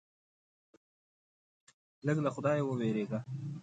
لږ له خدایه ووېرېږه.